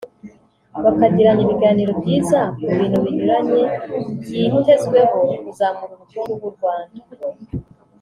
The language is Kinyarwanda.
bakagirana ibiganiro byiza ku bintu binyuranye byitezweho kuzamura ubukungu bw’u Rwanda